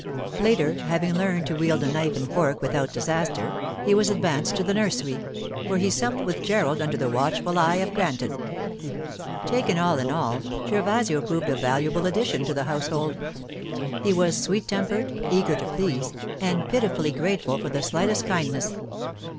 Later, having learned to wield a knife and fork without disaster, he was advanced to the nursery, where he supped with Gerald under the watchful eye of Granton. Taken all in all, Gervasio proved a valuable addition to the household. He was sweet tempered, eager to please, and pitifully grateful for the slightest kindness.